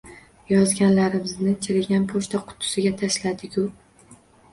Yozganlarimizni chirigan pochta qutisiga tashladigu